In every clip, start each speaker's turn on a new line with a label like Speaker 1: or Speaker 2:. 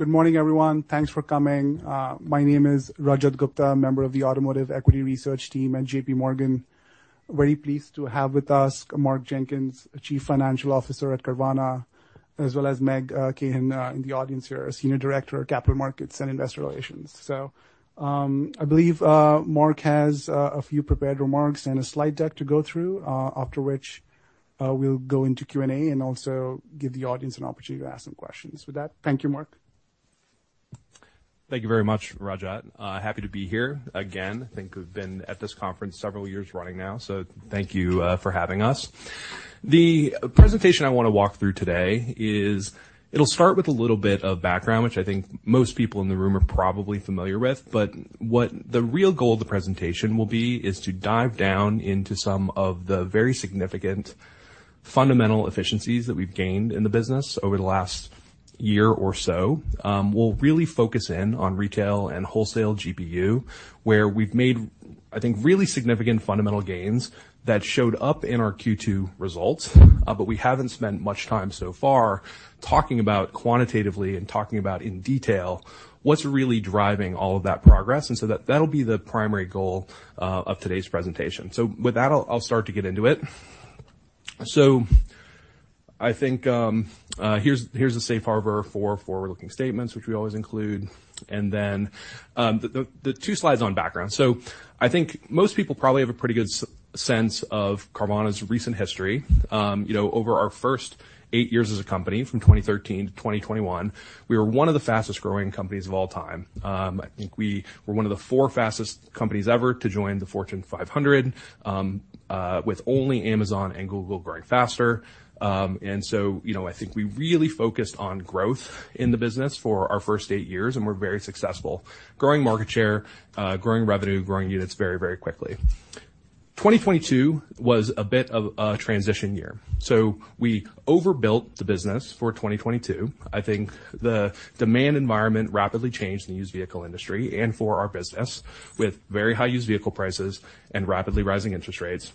Speaker 1: Good morning, everyone. Thanks for coming. My name is Rajat Gupta, member of the Automotive Equity Research team at JPMorgan. Very pleased to have with us Mark Jenkins, Chief Financial Officer at Carvana, as well as Meg Kehan, Senior Director, Capital Markets and Investor Relations. I believe Mark has a few prepared remarks and a slide deck to go through, after which we'll go into Q&A and also give the audience an opportunity to ask some questions. With that, thank you, Mark.
Speaker 2: Thank you very much, Rajat. Happy to be here again. I think we've been at this conference several years running now, so thank you for having us. The presentation I want to walk through today is, it'll start with a little bit of background, which I think most people in the room are probably familiar with, but what the real goal of the presentation will be is to dive down into some of the very significant fundamental efficiencies that we've gained in the business over the last year or so. We'll really focus in on retail and wholesale GPU, where we've made, I think, really significant fundamental gains that showed up in our Q2 results. We haven't spent much time so far talking about quantitatively and talking about in detail, what's really driving all of that progress? That-that'll be the primary goal of today's presentation. With that, I'll, I'll start to get into it. I think, here's, here's a safe harbor for forward-looking statements, which we always include. The, the, the two slides on background. I think most people probably have a pretty good s-sense of Carvana's recent history. You know, over our first eight years as a company, from 2013 to 2021, we were one of the fastest-growing companies of all time. I think we were one of the 4 fastest companies ever to join the Fortune 500, with only Amazon and Google growing faster. You know, I think we really focused on growth in the business for our first 8 years, and we're very successful. Growing market share, growing revenue, growing units very, very quickly. 2022 was a bit of a transition year, so we overbuilt the business for 2022. I think the demand environment rapidly changed in the used vehicle industry and for our business, with very high used vehicle prices and rapidly rising interest rates.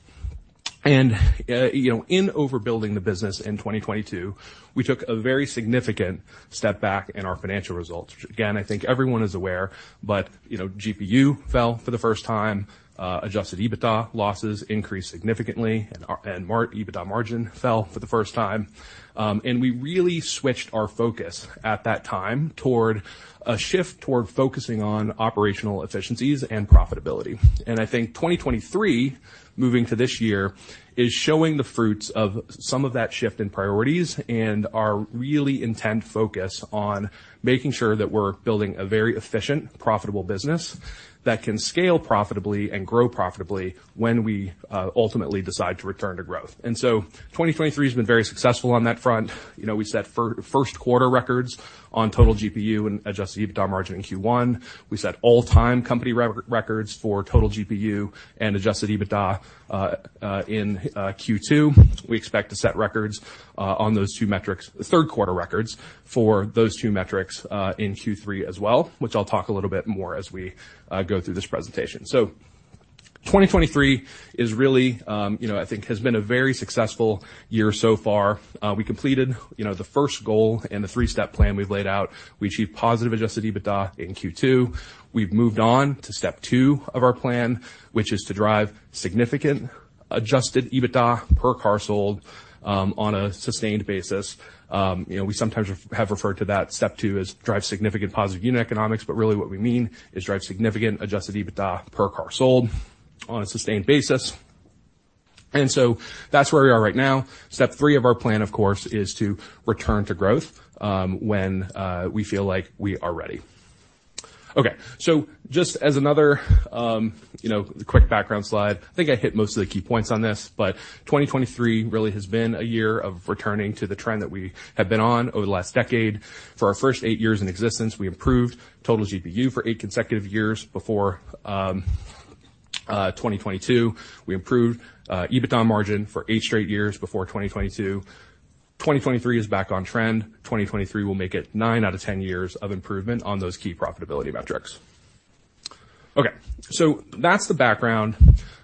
Speaker 2: You know, in overbuilding the business in 2022, we took a very significant step back in our financial results. Which, again, I think everyone is aware, but, you know, GPU fell for the first time, Adjusted EBITDA losses increased significantly, and EBITDA margin fell for the first time. We really switched our focus at that time toward a shift toward focusing on operational efficiencies and profitability. I think 2023, moving to this year, is showing the fruits of some of that shift in priorities and our really intent focus on making sure that we're building a very efficient, profitable business that can scale profitably and grow profitably when we ultimately decide to return to growth. 2023 has been very successful on that front. You know, we set first quarter records on Total GPU and Adjusted EBITDA margin in Q1. We set all-time company records for Total GPU and Adjusted EBITDA in Q2. We expect to set records on those two metrics, third quarter records, for those two metrics in Q3 as well, which I'll talk a little bit more as we go through this presentation. 2023 is really, you know, I think has been a very successful year so far. We completed, you know, the first goal in the three-step plan we've laid out. We achieved positive Adjusted EBITDA in Q2. We've moved on to step two of our plan, which is to drive significant Adjusted EBITDA per car sold on a sustained basis. You know, we sometimes have referred to that step two as drive significant positive unit economics, but really what we mean is drive significant Adjusted EBITDA per car sold on a sustained basis. So that's where we are right now. Step three of our plan, of course, is to return to growth when we feel like we are ready. Okay, just as another, you know, quick background slide, I think I hit most of the key points on this, but 2023 really has been a year of returning to the trend that we have been on over the last decade. For our first eight years in existence, we improved Total GPU for eight consecutive years before 2022. We improved EBITDA margin for eight straight years before 2022. 2023 is back on trend. 2023 will make it nine out of 10 years of improvement on those key profitability metrics. Okay, that's the background.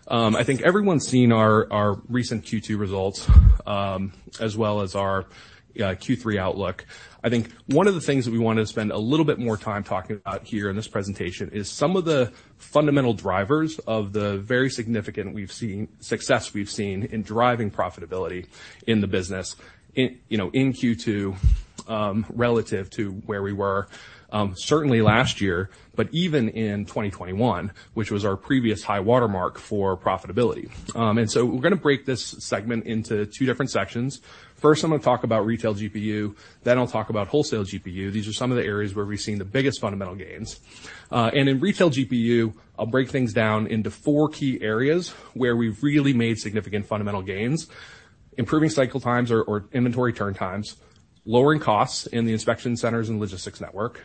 Speaker 2: I think everyone's seen our, our recent Q2 results, as well as our Q3 outlook. I think one of the things that we want to spend a little bit more time talking about here in this presentation is some of the fundamental drivers of the very significant success we've seen in driving profitability in the business, in, you know, in Q2, relative to where we were, certainly last year, but even in 2021, which was our previous high watermark for profitability. We're gonna break this segment into two different sections. First, I'm gonna talk about Retail GPU, then I'll talk about Wholesale GPU. These are some of the areas where we've seen the biggest fundamental gains. In Retail GPU, I'll break things down into four key areas where we've really made significant fundamental gains: improving cycle times or inventory turn times, lowering costs in the Inspection Centers and logistics network,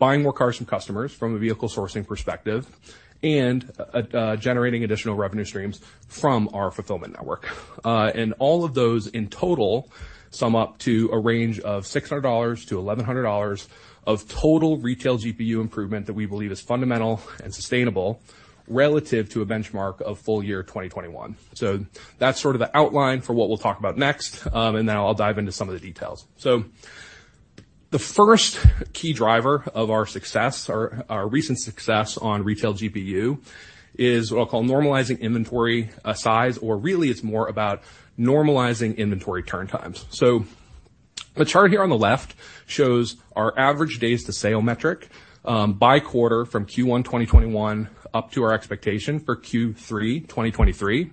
Speaker 2: buying more cars from customers from a vehicle sourcing perspective, and generating additional revenue streams from our fulfillment network. All of those in total sum up to a range of $600-$1,100 of total Retail GPU improvement that we believe is fundamental and sustainable relative to a benchmark of full year 2021. That's sort of the outline for what we'll talk about next. Now I'll dive into some of the details. The first key driver of our success, or our recent success on Retail GPU, is what I'll call normalizing inventory size, or really it's more about normalizing inventory turn times. The chart here on the left shows our average days to sale metric by quarter from Q1 2021, up to our expectation for Q3 2023.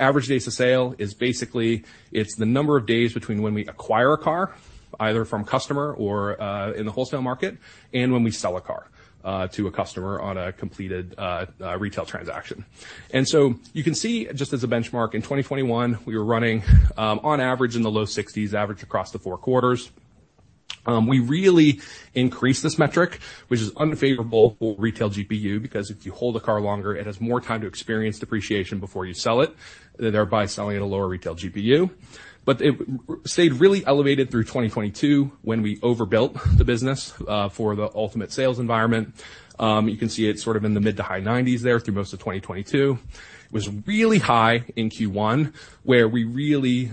Speaker 2: Average days to sale is basically, it's the number of days between when we acquire a car, either from customer or in the wholesale market, and when we sell a car to a customer on a completed retail transaction. You can see, just as a benchmark, in 2021, we were running on average in the low sixties, average across the four quarters. We really increased this metric, which is unfavorable for Retail GPU, because if you hold a car longer, it has more time to experience depreciation before you sell it, thereby selling at a lower Retail GPU. It stayed really elevated through 2022 when we overbuilt the business for the ultimate sales environment. You can see it sort of in the mid to high 90s there through most of 2022. It was really high in Q1, where we really,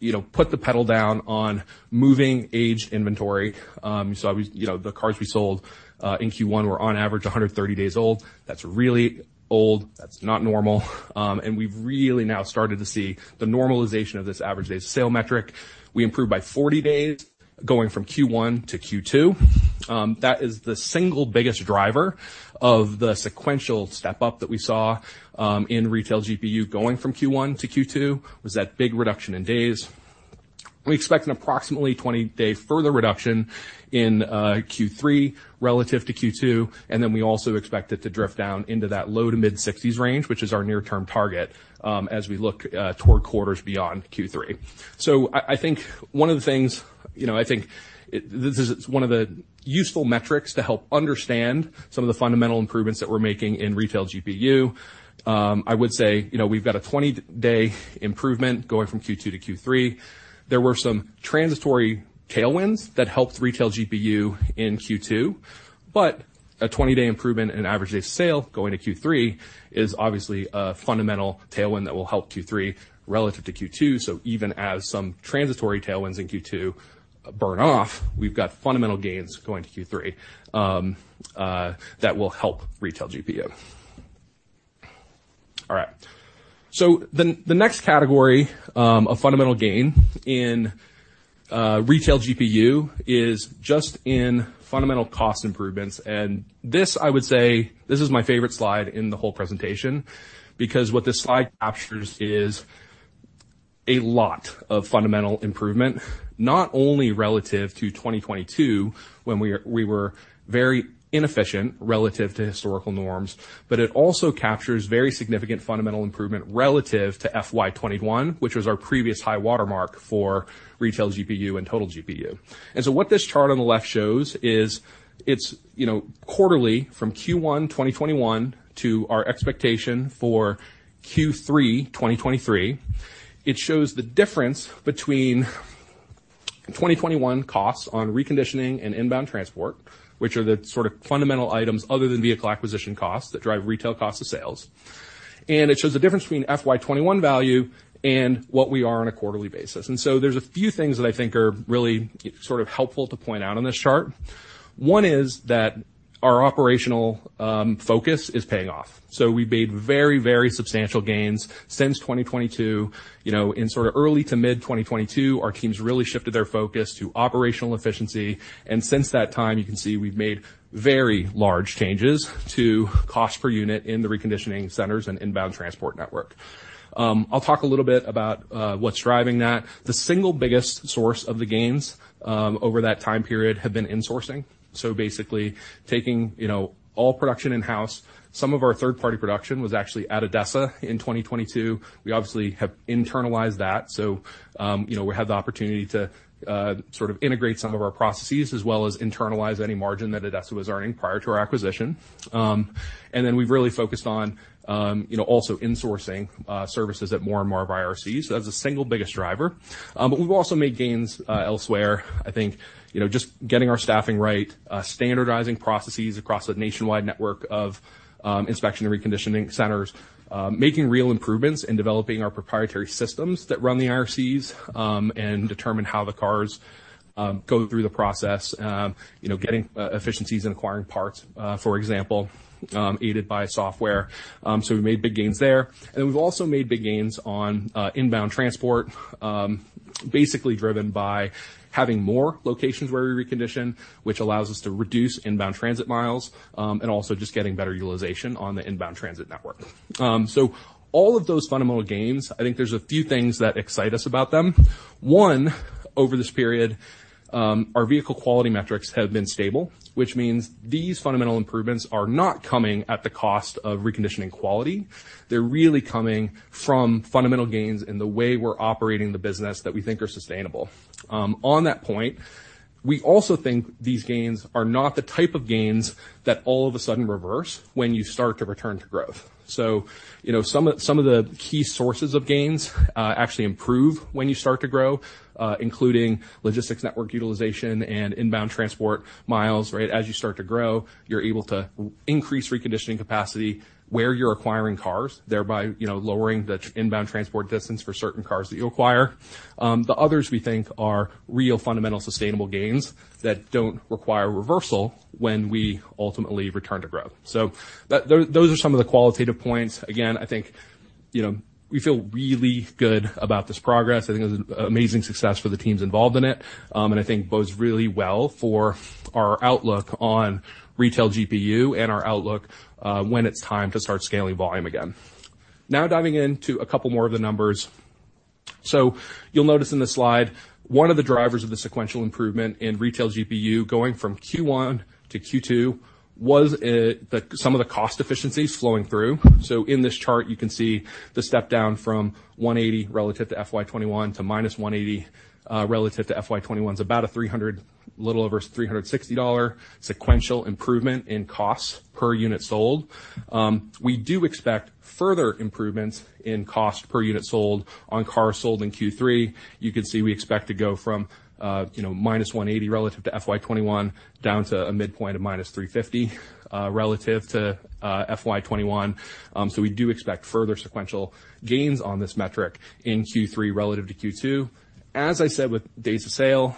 Speaker 2: you know, put the pedal down on moving aged inventory. You know, the cars we sold in Q1 were on average, 130 days old. That's really old. That's not normal. We've really now started to see the normalization of this average days to sale metric. We improved by 40 days, going from Q1 to Q2. That is the single biggest driver of the sequential step up that we saw in Retail GPU going from Q1 to Q2, was that big reduction in days. We expect an approximately 20-day further reduction in Q3 relative to Q2, and then we also expect it to drift down into that low to mid-60s range, which is our near-term target, as we look toward quarters beyond Q3. I, I think one of the things, you know, This is one of the useful metrics to help understand some of the fundamental improvements that we're making in Retail GPU. I would say, you know, we've got a 20-day improvement going from Q2 to Q3. There were some transitory tailwinds that helped Retail GPU in Q2, but a 20-day improvement in average days of sale going to Q3 is obviously a fundamental tailwind that will help Q3 relative to Q2. Even as some transitory tailwinds in Q2 burn off, we've got fundamental gains going to Q3 that will help Retail GPU. The next category of fundamental gain in Retail GPU is just in fundamental cost improvements. This, I would say, this is my favorite slide in the whole presentation, because what this slide captures is a lot of fundamental improvement, not only relative to 2022, when we were very inefficient relative to historical norms, but it also captures very significant fundamental improvement relative to FY 2021, which was our previous high watermark for Retail GPU and Total GPU. What this chart on the left shows is it's, you know, quarterly from Q1 2021 to our expectation for Q3 2023. It shows the difference between 2021 costs on reconditioning and inbound transport, which are the sort of fundamental items other than vehicle acquisition costs that drive retail cost of sales. It shows the difference between FY 2021 value and what we are on a quarterly basis. There's a few things that I think are really sort of helpful to point out on this chart. One is that our operational focus is paying off. We've made very, very substantial gains since 2022. You know, in sort of early to mid-2022, our teams really shifted their focus to operational efficiency, and since that time, you can see we've made very large changes to cost per unit in the reconditioning centers and inbound transport network. I'll talk a little bit about what's driving that. The single biggest source of the gains over that time period have been insourcing. Basically, taking, you know, all production in-house. Some of our third-party production was actually at ADESA in 2022. We obviously have internalized that. You know, we have the opportunity to sort of integrate some of our processes as well as internalize any margin that ADESA was earning prior to our acquisition. We've really focused on, you know, also insourcing services at more and more of our IRCs. That's the single biggest driver. We've also made gains elsewhere. I think, you know, just getting our staffing right, standardizing processes across a nationwide network of Inspection and Reconditioning Centers, making real improvements in developing our proprietary systems that run the IRCs, and determine how the cars go through the process. You know, getting efficiencies and acquiring parts, for example, aided by software. We've made big gains there, and we've also made big gains on inbound transport, basically driven by having more locations where we recondition, which allows us to reduce inbound transit miles, and also just getting better utilization on the inbound transit network. All of those fundamental gains, I think there's a few things that excite us about them. One, over this period, our vehicle quality metrics have been stable, which means these fundamental improvements are not coming at the cost of reconditioning quality. They're really coming from fundamental gains in the way we're operating the business that we think are sustainable. On that point, we also think these gains are not the type of gains that all of a sudden reverse when you start to return to growth. So, you know, some of, some of the key sources of gains, actually improve when you start to grow, including logistics network utilization and inbound transport miles, right? As you start to grow, you're able to increase reconditioning capacity where you're acquiring cars, thereby, you know, lowering the inbound transport distance for certain cars that you acquire. The others we think are real fundamental, sustainable gains that don't require reversal when we ultimately return to growth. Those are some of the qualitative points. You know, we feel really good about this progress. I think it was an amazing success for the teams involved in it, and I think bodes really well for our outlook on Retail GPU and our outlook, when it's time to start scaling volume again. Diving into a couple more of the numbers. You'll notice in this slide, one of the drivers of the sequential improvement in Retail GPU going from Q1 to Q2 was, some of the cost efficiencies flowing through. In this chart, you can see the step down from $180 relative to FY 2021 to -$180 relative to FY 2021's, about a $360 sequential improvement in costs per unit sold. We do expect further improvements in cost per unit sold on cars sold in Q3. You can see we expect to go from, you know, -$180 relative to FY 2021, down to a midpoint of -$350 relative to FY 2021. We do expect further sequential gains on this metric in Q3 relative to Q2. As I said, with days of sale,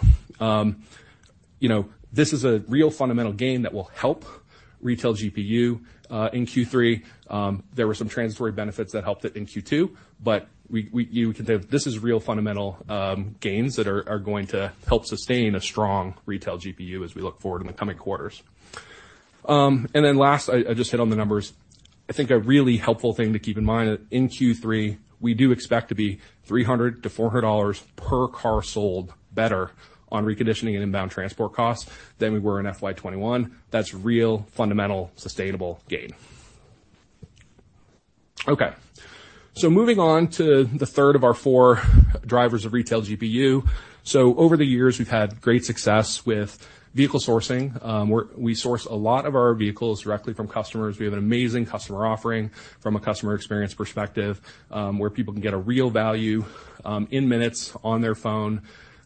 Speaker 2: you know, this is a real fundamental gain that will help Retail GPU in Q3. There were some transitory benefits that helped it in Q2, we, we-- you can say this is real fundamental gains that are, are going to help sustain a strong Retail GPU as we look forward in the coming quarters. Last, I, I just hit on the numbers. I think a really helpful thing to keep in mind, that in Q3, we do expect to be $300-$400 per car sold better on reconditioning and inbound transport costs than we were in FY 2021. That's real, fundamental, sustainable gain. Moving on to the third of our four drivers of Retail GPU. Over the years, we've had great success with vehicle sourcing. We're -- we source a lot of our vehicles directly from customers. We have an amazing customer offering from a customer experience perspective, where people can get a real value in minutes on their phone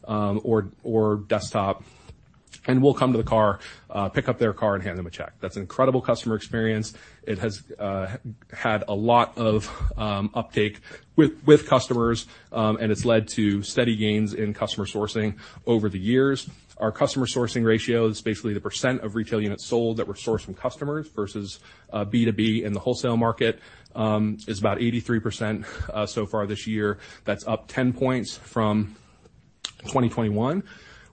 Speaker 2: or desktop, and we'll come to the car, pick up their car, and hand them a check. That's an incredible customer experience. It has had a lot of uptake with customers, and it's led to steady gains in customer sourcing over the years. Our customer sourcing ratio is basically the percent of retail units sold that were sourced from customers versus B2B in the wholesale market, is about 83% so far this year. That's up 10 points from 2021.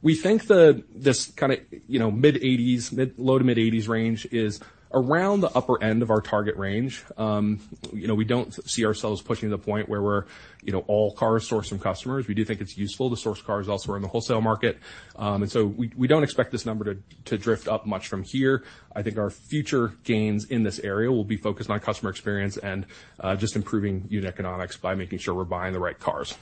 Speaker 2: We think This kinda, you know, mid-80s, low to mid-80s range is around the upper end of our target range. You know, we don't see ourselves pushing to the point where we're, you know, all cars sourced from customers. We do think it's useful to source cars elsewhere in the wholesale market. We, we don't expect this number to, to drift up much from here. I think our future gains in this area will be focused on customer experience and just improving unit economics by making sure we're buying the right cars.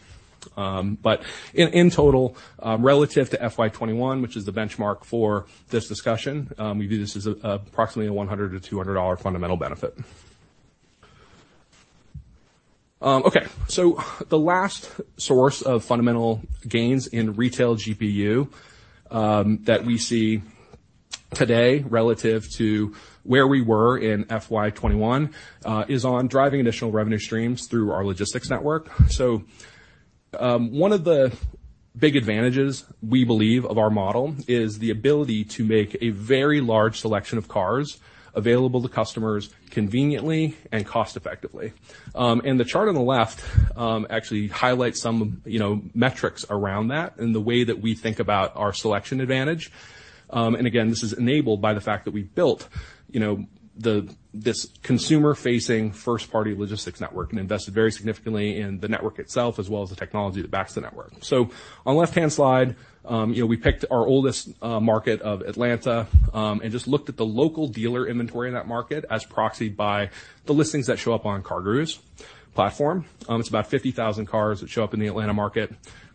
Speaker 2: In total, relative to FY 2021, which is the benchmark for this discussion, we view this as approximately a $100-$200 fundamental benefit. The last source of fundamental gains in Retail GPU that we see today relative to where we were in FY 2021 is on driving additional revenue streams through our logistics network. One of the big advantages we believe of our model is the ability to make a very large selection of cars available to customers conveniently and cost effectively. The chart on the left actually highlights some, you know, metrics around that and the way that we think about our selection advantage. Again, this is enabled by the fact that we've built, you know, this consumer-facing first-party logistics network and invested very significantly in the network itself, as well as the technology that backs the network. On the left-hand slide, you know, we picked our oldest market of Atlanta and just looked at the local dealer inventory in that market as proxied by the listings that show up on CarGurus platform. It's about 50,000 cars that show up in the Atlanta market.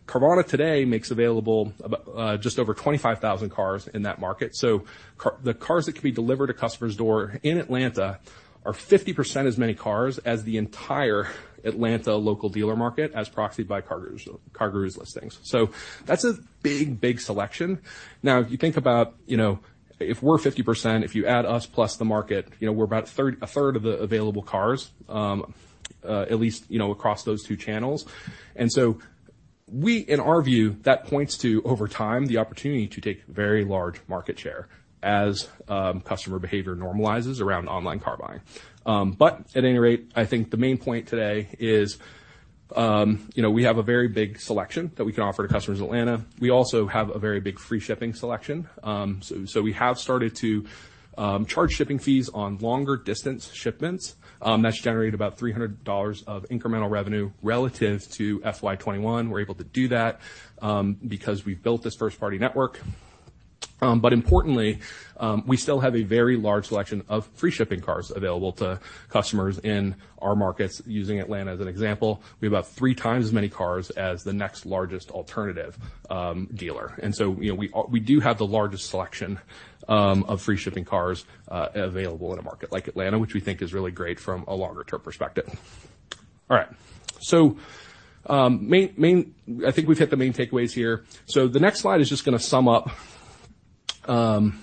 Speaker 2: Carvana today makes available about, just over 25,000 cars in that market. The cars that can be delivered to customers' door in Atlanta are 50% as many cars as the entire Atlanta local dealer market, as proxied by CarGurus, CarGurus listings. That's a big, big selection. Now, if you think about, you know, if we're 50%, if you add us plus the market, you know, we're about third, a third of the available cars, at least, you know, across those two channels. We, in our view, that points to, over time, the opportunity to take very large market share as, customer behavior normalizes around online car buying. At any rate, I think the main point today is, you know, we have a very big selection that we can offer to customers in Atlanta. We also have a very big free shipping selection. We have started to charge shipping fees on longer distance shipments. That's generated about $300 of incremental revenue relative to FY 2021. We're able to do that because we've built this first-party network. But importantly, we still have a very large selection of free shipping cars available to customers in our markets. Using Atlanta as an example, we have about 3 times as many cars as the next largest alternative dealer. You know, we do have the largest selection of free shipping cars available in a market like Atlanta, which we think is really great from a longer-term perspective. All right, main... I think we've hit the main takeaways here. The next slide is just gonna sum up. It's,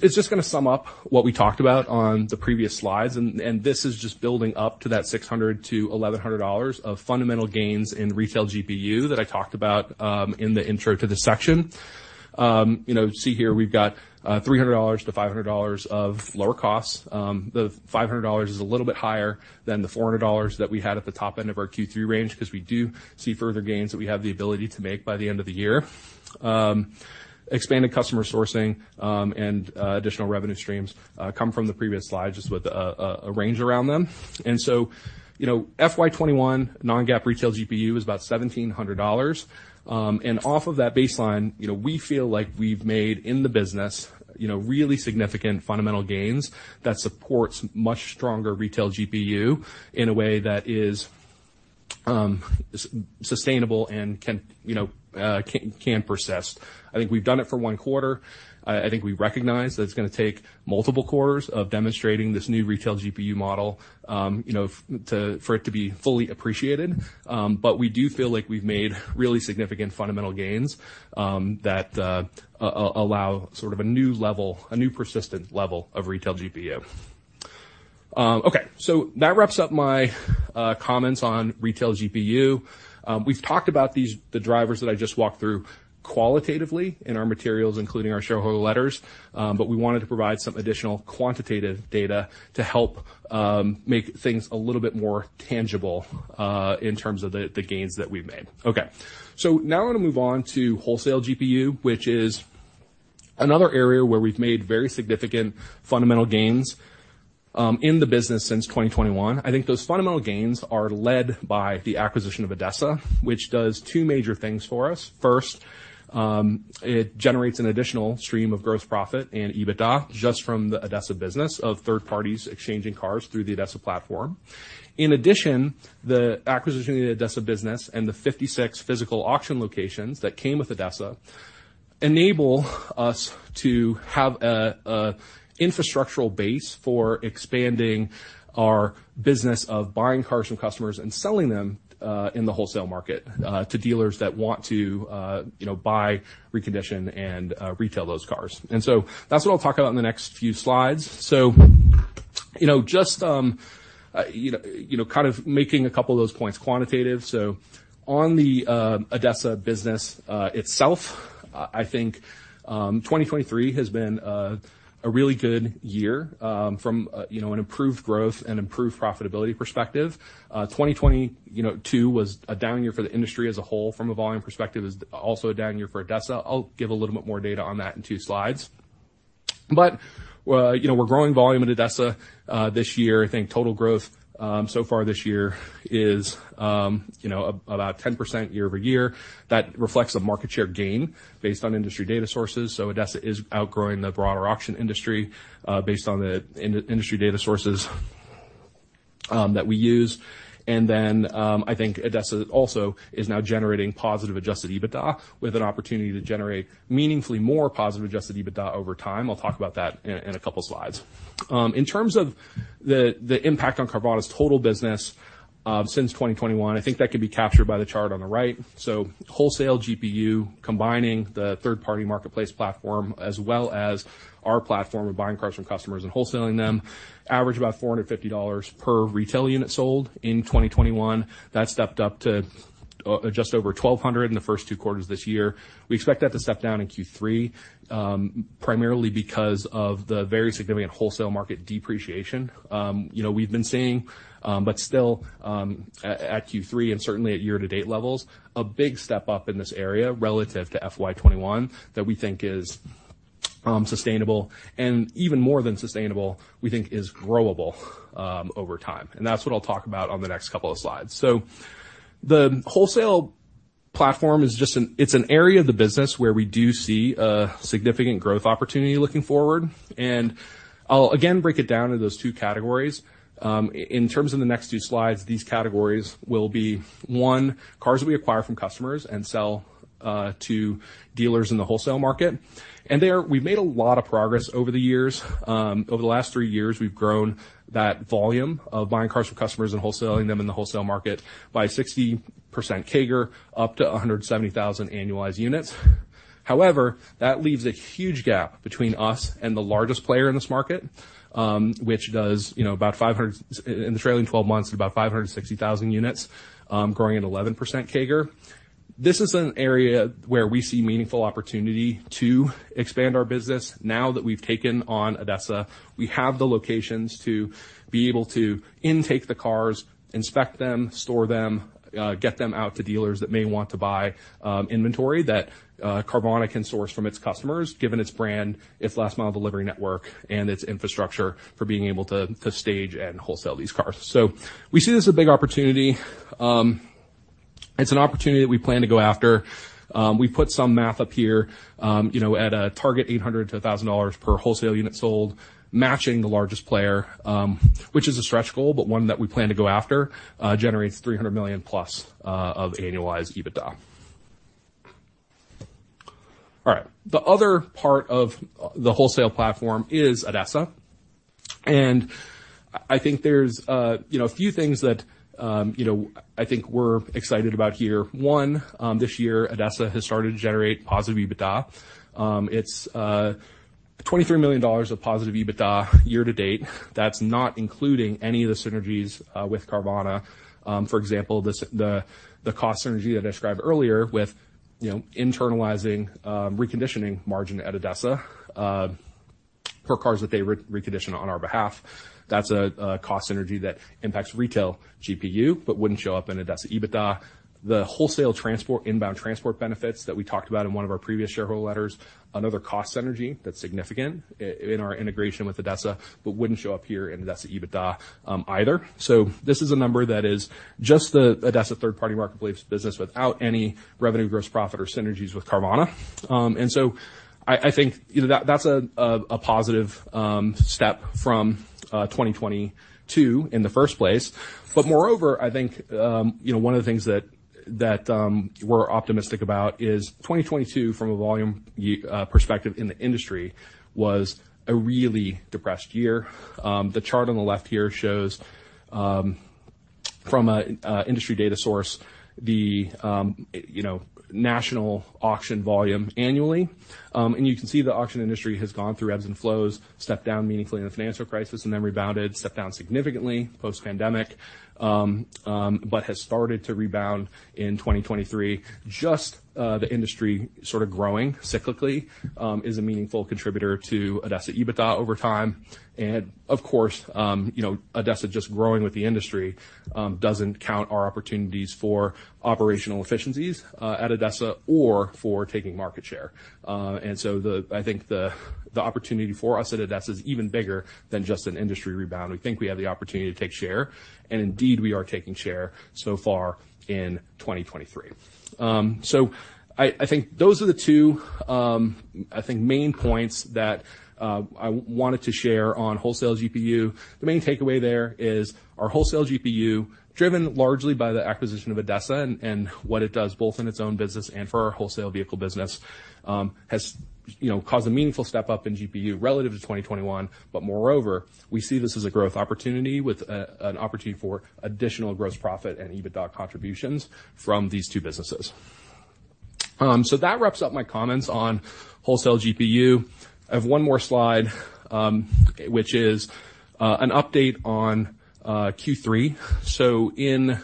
Speaker 2: it's just gonna sum up what we talked about on the previous slides, and, and this is just building up to that $600-$1,100 of fundamental gains in Retail GPU that I talked about in the intro to this section. You know, see here, we've got $300-$500 of lower costs. The $500 is a little bit higher than the $400 that we had at the top end of our Q3 range, 'cause we do see further gains that we have the ability to make by the end of the year. Expanded customer sourcing, and additional revenue streams come from the previous slide, just with a range around them. You know, FY 2021 Non-GAAP Retail GPU is about $1,700. Off of that baseline, you know, we feel like we've made in the business, you know, really significant fundamental gains that supports much stronger Retail GPU in a way that is sustainable and can, you know, can persist. I think we've done it for one quarter. I, I think we recognize that it's gonna take multiple quarters of demonstrating this new Retail GPU model, you know, for it to be fully appreciated. We do feel like we've made really significant fundamental gains that allow sort of a new level, a new persistent level of Retail GPU. Okay, that wraps up my comments on Retail GPU. We've talked about the drivers that I just walked through qualitatively in our materials, including our shareholder letters. We wanted to provide some additional quantitative data to help make things a little bit more tangible in terms of the, the gains that we've made. Okay. Now I'm gonna move on to Wholesale GPU, which is another area where we've made very significant fundamental gains in the business since 2021. I think those fundamental gains are led by the acquisition of ADESA, which does two major things for us. First, it generates an additional stream of gross profit and EBITDA just from the ADESA business of third parties exchanging cars through the ADESA platform. In addition, the acquisition of the ADESA business and the 56 physical auction locations that came with ADESA enable us to have a infrastructural base for expanding our business of buying cars from customers and selling them in the wholesale market to dealers that want to, you know, buy, recondition and retail those cars. That's what I'll talk about in the next few slides. You know, just, you know, kind of making a couple of those points quantitative. On the ADESA business itself, I think 2023 has been a really good year from a, you know, an improved growth and improved profitability perspective. 2022, you know, was a down year for the industry as a whole from a volume perspective, is also a down year for ADESA. I'll give a little bit more data on that in two slides. you know, we're growing volume at ADESA this year. I think total growth so far this year is, you know, about 10% year-over-year. That reflects a market share gain based on industry data sources. ADESA is outgrowing the broader auction industry based on the industry data sources that we use. Then, I think ADESA also is now generating positive Adjusted EBITDA, with an opportunity to generate meaningfully more positive Adjusted EBITDA over time. I'll talk about that in a couple slides. In terms of the impact on Carvana's total business, since 2021, I think that can be captured by the chart on the right. Wholesale GPU, combining the third-party marketplace platform, as well as our platform of buying cars from customers and wholesaling them, average about $450 per retail unit sold in 2021. That stepped up to just over 1,200 in the first two quarters this year. We expect that to step down in Q3, primarily because of the very significant wholesale market depreciation. You know, we've been seeing, but still, at Q3 and certainly at year-to-date levels, a big step up in this area relative to FY 2021, that we think is sustainable, and even more than sustainable, we think is growable over time. That's what I'll talk about on the next couple of slides. The wholesale platform is just an... It's an area of the business where we do see a significant growth opportunity looking forward. I'll again break it down into those two categories. In terms of the next two slides, these categories will be, one, cars that we acquire from customers and sell to dealers in the wholesale market. We've made a lot of progress over the years. Over the last three years, we've grown that volume of buying cars from customers and wholesaling them in the wholesale market by 60% CAGR, up to 170,000 annualized units. However, that leaves a huge gap between us and the largest player in this market, which does, you know, in the trailing 12 months, about 560,000 units, growing at 11% CAGR. This is an area where we see meaningful opportunity to expand our business now that we've taken on ADESA. We have the locations to be able to intake the cars, inspect them, store them, get them out to dealers that may want to buy, inventory that Carvana can source from its customers, given its brand, its last-mile delivery network, and its infrastructure for being able to, to stage and wholesale these cars. We see this as a big opportunity. It's an opportunity that we plan to go after. We put some math up here, you know, at a target $800-$1,000 per wholesale unit sold, matching the largest player, which is a stretch goal, but one that we plan to go after, generates $300 million-plus of annualized EBITDA. All right. The other part of the wholesale platform is ADESA. I think there's, you know, a few things that, you know, I think we're excited about here. One, this year, ADESA has started to generate positive EBITDA. It's $23 million of positive EBITDA year to date. That's not including any of the synergies with Carvana. For example, the cost synergy that I described earlier with, you know, internalizing reconditioning margin at ADESA per cars that they re-recondition on our behalf. That's a cost synergy that impacts Retail GPU, but wouldn't show up in ADESA EBITDA. The wholesale transport, inbound transport benefits that we talked about in one of our previous shareholder letters, another cost synergy that's significant in our integration with ADESA, but wouldn't show up here in ADESA EBITDA either. This is a number that is just the ADESA third-party marketplace business without any revenue, gross profit, or synergies with Carvana. And so I, I think, you know, that's a positive step from 2022 in the first place. Moreover, I think, you know, one of the things that, that we're optimistic about is 2022, from a volume perspective in the industry, was a really depressed year. The chart on the left here shows, from a industry data source, the, you know, national auction volume annually. And you can see the auction industry has gone through ebbs and flows, stepped down meaningfully in the financial crisis and then rebounded, stepped down significantly post-pandemic, but has started to rebound in 2023. Just, the industry sort of growing cyclically, is a meaningful contributor to ADESA EBITDA over time. Of course, you know, ADESA just growing with the industry, doesn't count our opportunities for operational efficiencies at ADESA or for taking market share. So the-- I think the, the opportunity for us at ADESA is even bigger than just an industry rebound. We think we have the opportunity to take share, and indeed, we are taking share so far in 2023. So I, I think those are the two, I think main points that I wanted to share on Wholesale GPU. The main takeaway there is our Wholesale GPU, driven largely by the acquisition of ADESA and, and what it does both in its own business and for our wholesale vehicle business, has, you know, caused a meaningful step-up in GPU relative to 2021. Moreover, we see this as a growth opportunity with an opportunity for additional gross profit and EBITDA contributions from these two businesses. That wraps up my comments on Wholesale GPU. I have one more slide, which is an update on Q3. In,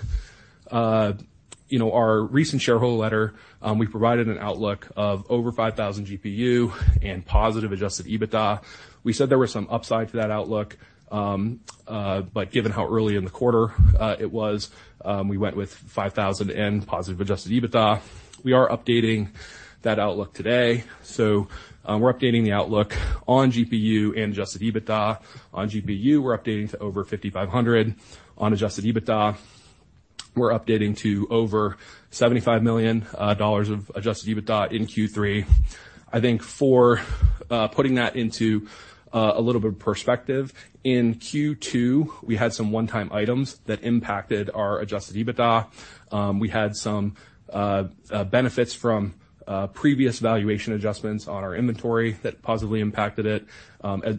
Speaker 2: you know, our recent shareholder letter, we provided an outlook of over 5,000 GPU and positive Adjusted EBITDA. We said there was some upside to that outlook, but given how early in the quarter it was, we went with 5,000 and positive Adjusted EBITDA. We are updating that outlook today. We're updating the outlook on GPU and Adjusted EBITDA. On GPU, we're updating to over $5,500. On Adjusted EBITDA, we're updating to over $75 million of Adjusted EBITDA in Q3. I think for putting that into a little bit of perspective, in Q2, we had some one-time items that impacted our Adjusted EBITDA. We had some benefits from previous valuation adjustments on our inventory that positively impacted it.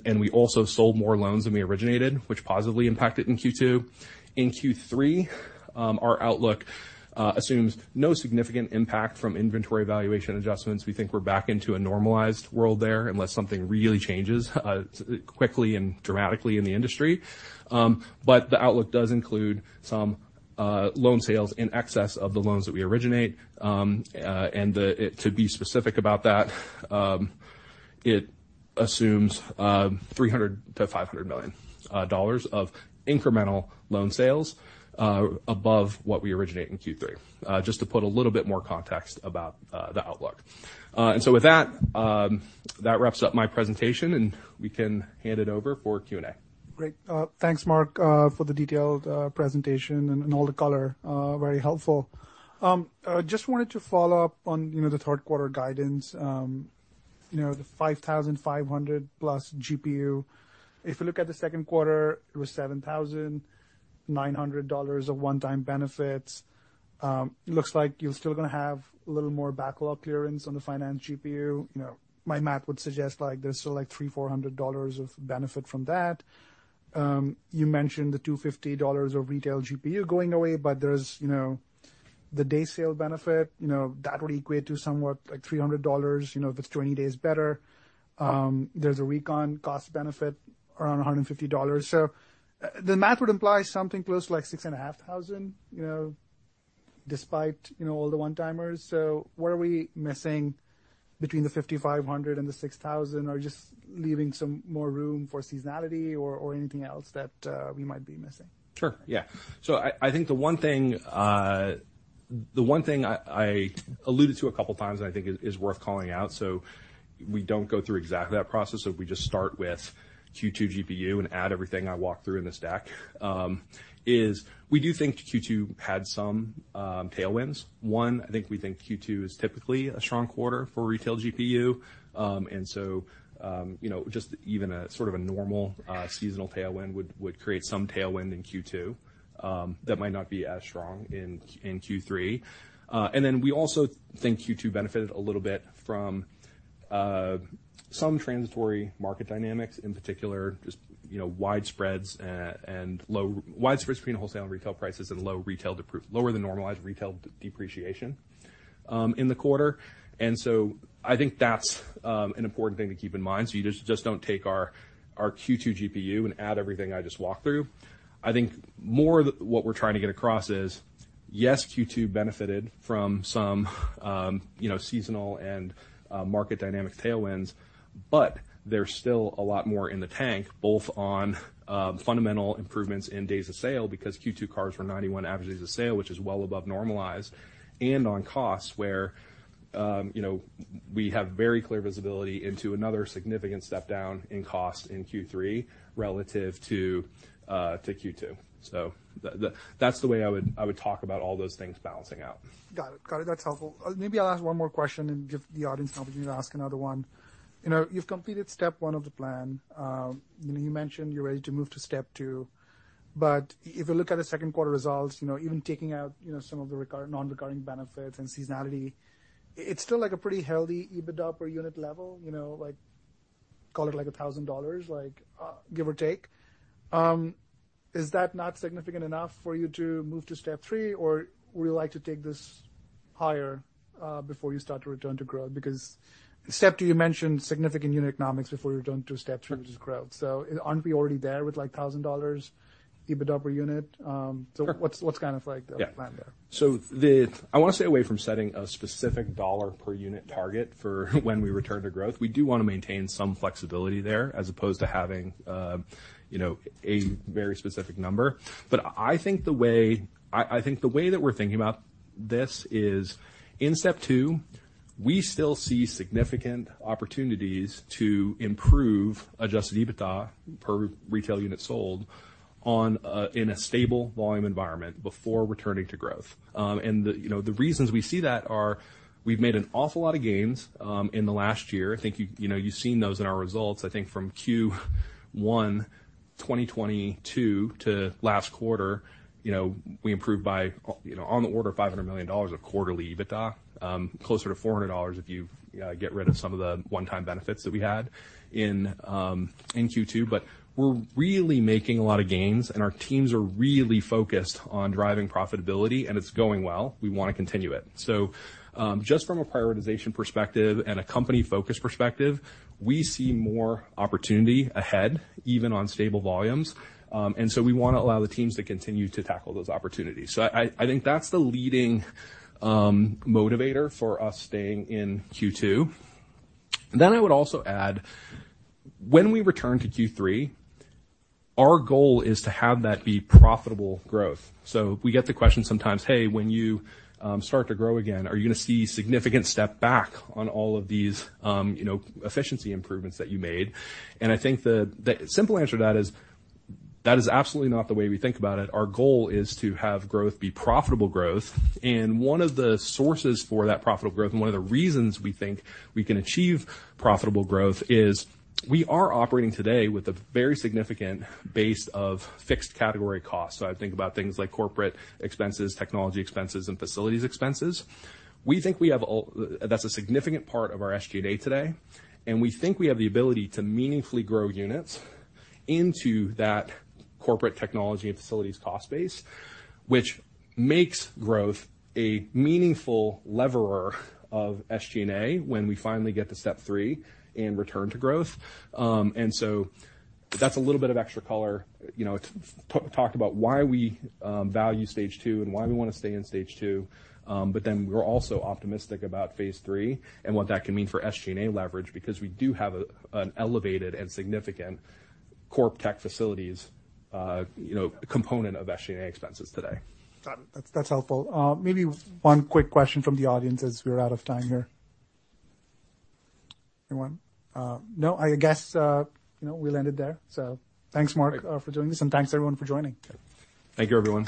Speaker 2: We also sold more loans than we originated, which positively impacted in Q2. In Q3, our outlook assumes no significant impact from inventory valuation adjustments. We think we're back into a normalized world there, unless something really changes quickly and dramatically in the industry. The outlook does include some loan sales in excess of the loans that we originate. To be specific about that, it assumes $300 million-$500 million of incremental loan sales above what we originate in Q3. Just to put a little bit more context about the outlook. With that, that wraps up my presentation, and we can hand it over for Q&A.
Speaker 1: Great. Thanks, Mark, for the detailed presentation and, and all the color. Very helpful. I just wanted to follow up on, you know, the third quarter guidance, you know, the 5,500+ GPU. If you look at the second quarter, it was $7,900 of one-time benefits. It looks like you're still gonna have a little more backlog clearance on the finance GPU. You know, my math would suggest, like, there's still, like, $300-$400 of benefit from that. You mentioned the $250 of Retail GPU going away, but there's, you know, the day sale benefit, you know, that would equate to somewhere like $300, you know, if it's 20 days better. There's a recon cost benefit around $150. The math would imply something close to, like, $6,500, you know, despite, you know, all the one-timers. What are we missing between the $5,500 and the $6,000, or just leaving some more room for seasonality or, or anything else that we might be missing?
Speaker 2: Sure, yeah. I, I think the one thing, the one thing I, I alluded to a couple times and I think is worth calling out. We don't go through exactly that process. If we just start with Q2 GPU and add everything I walked through in this deck, we do think Q2 had some tailwinds. One, I think we think Q2 is typically a strong quarter for Retail GPU. You know, just even a sort of a normal, seasonal tailwind would, would create some tailwind in Q2, that might not be as strong in, in Q3. Then we also think Q2 benefited a little bit from, - some transitory market dynamics, in particular, just, you know, wide spreads, and low wide spreads between wholesale and retail prices and low retail lower than normalized retail depreciation in the quarter. I think that's an important thing to keep in mind. You just, just don't take our, our Q2 GPU and add everything I just walked through. I think more of what we're trying to get across is, yes, Q2 benefited from some, you know, seasonal and market dynamic tailwinds, but there's still a lot more in the tank, both on fundamental improvements in days of sale, because Q2 cars were 91 average days of sale, which is well above normalized and on costs, where, you know, we have very clear visibility into another significant step down in cost in Q3 relative to to Q2. That's the way I would, I would talk about all those things balancing out.
Speaker 1: Got it. Got it. That's helpful. Maybe I'll ask one more question and give the audience an opportunity to ask another one. You know, you've completed step 1 of the plan. You know, you mentioned you're ready to move to step 2. If you look at the second quarter results, you know, even taking out, you know, some of the non-recurring benefits and seasonality, it's still like a pretty healthy EBITDA per unit level, you know, like, call it like $1,000, like, give or take. Is that not significant enough for you to move to step 3, or would you like to take this higher before you start to return to growth? Because step 2, you mentioned significant unit economics before we return to step 3, which is growth. Aren't we already there with, like, $1,000 EBITDA per unit? what's, what's kind of like the plan there?
Speaker 2: I want to stay away from setting a specific dollar per unit target for when we return to growth. We do want to maintain some flexibility there as opposed to having, you know, a very specific number. I think the way that we're thinking about this is in step two, we still see significant opportunities to improve Adjusted EBITDA per retail unit sold on a, in a stable volume environment before returning to growth. The, you know, the reasons we see that are we've made an awful lot of gains, in the last year. I think you, you know, you've seen those in our results. I think from Q1 2022 to last quarter, you know, we improved by, you know, on the order of $500 million of quarterly EBITDA, closer to $400 if you get rid of some of the one-time benefits that we had in Q2. We're really making a lot of gains, and our teams are really focused on driving profitability, and it's going well. We want to continue it. Just from a prioritization perspective and a company focus perspective, we see more opportunity ahead, even on stable volumes. We want to allow the teams to continue to tackle those opportunities. I, I think that's the leading motivator for us staying in Q2. I would also add, when we return to Q3, our goal is to have that be profitable growth. We get the question sometimes: "Hey, when you start to grow again, are you going to see significant step back on all of these, you know, efficiency improvements that you made?" I think the, the simple answer to that is, that is absolutely not the way we think about it. Our goal is to have growth be profitable growth, and one of the sources for that profitable growth, and one of the reasons we think we can achieve profitable growth is we are operating today with a very significant base of fixed category costs. I think about things like Corporate expenses, Technology expenses, and Facilities expenses. We think we have all... That's a significant part of our SG&A today, and we think we have the ability to meaningfully grow units into that corporate technology and facilities cost base, which makes growth a meaningful leverer of SG&A when we finally get to step three and return to growth. That's a little bit of extra color, you know, to talk about why we value stage two and why we want to stay in stage two. We're also optimistic about phase three and what that can mean for SG&A leverage, because we do have an elevated and significant corp tech facilities, you know, component of SG&A expenses today.
Speaker 1: Got it. That's, that's helpful. Maybe one quick question from the audience, as we're out of time here. Anyone? No, I guess, you know, we'll end it there. Thanks, Mark, for doing this, and thanks, everyone, for joining.
Speaker 2: Thank you, everyone.